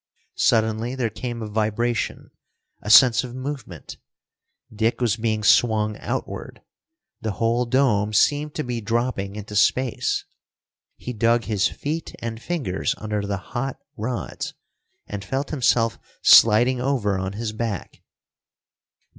Suddenly there came a vibration, a sense of movement. Dick was being swung outward. The whole dome seemed to be dropping into space. He dug his feet and fingers under the hot rods, and felt himself sliding over on his back.